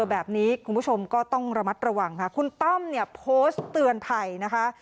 แบบนี้คุณผู้ชมก็ต้องระมัดระวังค่ะคุณต้อมเนี่ยโพสต์เตือนภัยนะคะ